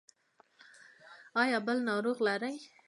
ایا بل ناروغ لرئ؟